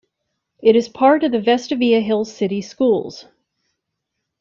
It is part of the Vestavia Hills City Schools.